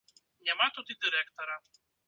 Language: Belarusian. Няма тут і дырэктара.